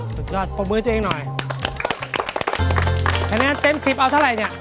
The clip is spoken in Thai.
สุดยอดปรบมือเจ้าเองหน่อยคะแนนเต้นสิบเอาเท่าไรเนี้ย